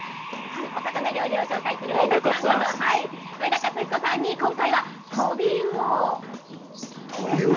お魚料理を紹介するウエカツさんこと、上田勝彦さんに今回は、ととびうお。